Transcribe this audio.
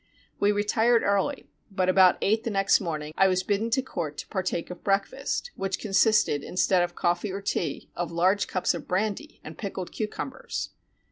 We retired early, but about eight the next morn ing, I was bidden to court to partake of breakfast, which consisted, instead of coffee or tea, of large cups of brandy and pickled cucumbers.